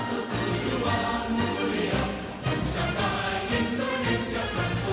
satukan diri gemarkan berkip merdeka selagi